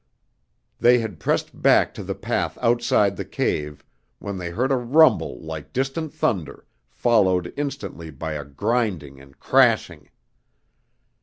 They had pressed back to the path outside the cave, when they heard a rumble like distant thunder, followed instantly by a grinding and crashing.